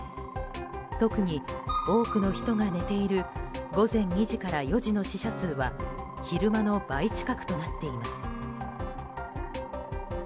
特に多くの人が寝ている午前２時から４時の死者数は昼間の倍近くとなっています。